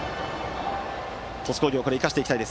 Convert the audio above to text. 鳥栖工業、これを生かしていきたい。